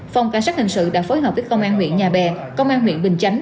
phòng cảnh sát hình sự đã phối hợp với công an huyện nhà bè công an huyện bình chánh